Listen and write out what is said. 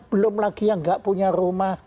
belum lagi yang nggak punya rumah